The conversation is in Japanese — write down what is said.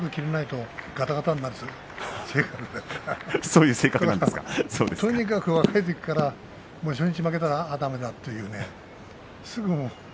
とにかく若い時から初日負けたらだめだというすぐに。